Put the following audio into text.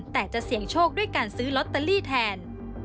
แต่จะเสี่ยงโชคด้วยการซื้อลอตเตอรี่แทน